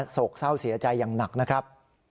โศกเศร้าเสียใจอย่างหนักนะครับ